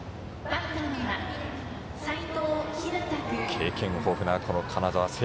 経験豊富な金沢成奉